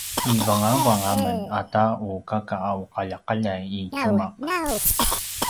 ivangavang a men ata u kaka a uqaljaqaljai i tjumaq